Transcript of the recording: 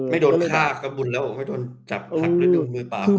ไม่โดนภาคไม่โดนจับหักมึงไม่บิน